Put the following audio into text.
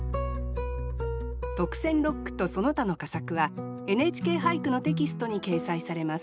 特選六句とその他の佳作は「ＮＨＫ俳句」のテキストに掲載されます。